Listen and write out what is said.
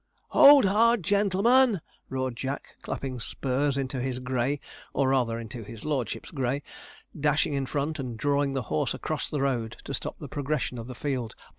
'HOLD HARD, gentlemen,' roared Jack, clapping spurs into his grey, or rather, into his lordship's grey, dashing in front, and drawing the horse across the road to stop the progression of the field.